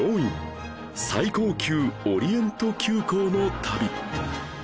最高級オリエント急行の旅